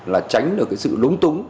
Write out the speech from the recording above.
là tránh được cái sự lúng túng